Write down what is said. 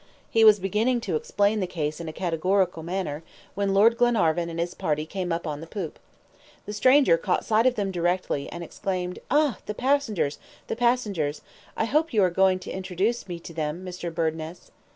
He was beginning to explain the case in a categorical manner, when Lord Glenarvan and his party came up on the poop. The stranger caught sight of them directly, and exclaimed: "Ah! the passengers, the passengers! I hope you are going to introduce me to them, Mr. Burdness!"